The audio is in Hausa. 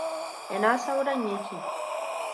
Ina sauran ya ke?